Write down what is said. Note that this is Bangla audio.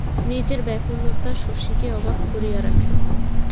নিজের ব্যাকুলতা শশীকে অবাক করিয়া রাখে।